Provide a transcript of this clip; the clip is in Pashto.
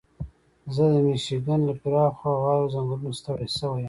زه د میشیګن له پراخو اوارو ځنګلونو ستړی شوی یم.